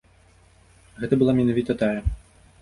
Гэта была менавіта тая.